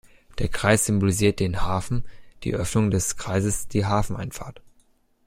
Der Kreis symbolisiert den Hafen, die Öffnung des Kreises die Hafeneinfahrt.